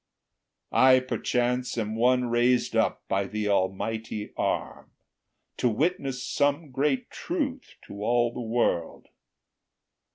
I, perchance, Am one raised up by the Almighty arm To witness some great truth to all the world.